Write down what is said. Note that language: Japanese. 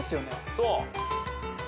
そう。